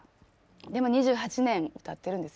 でも２８年歌ってるんですよね。